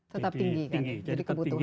tetap tinggi jadi kebutuhan